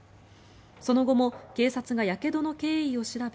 その後も警察がやけどの経緯を調べ